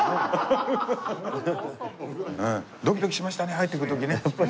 ドキドキしましたね入ってくる時ね。